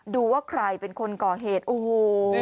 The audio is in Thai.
ดูว่าใครเป็นคนก่อเหตุโอ้โห